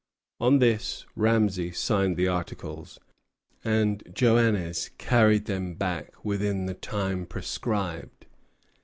On this Ramesay signed the articles, and Joannès carried them back within the time prescribed.